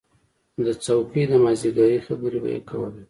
د څوکۍ د مازدیګري خبرې به یې کولې.